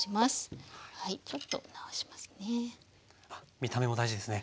見た目も大事ですね。